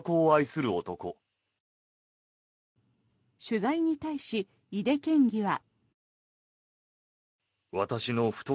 取材に対し、井手県議は。